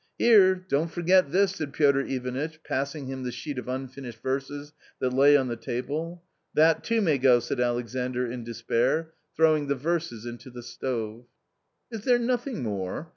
" Here, don't forget this !" said Piotr Ivanitch, passing him the sheet of unfinished verses that lay on the table. " That too may go !" said Alexander in despair, throwing the verses into the stove. " Is there nothing more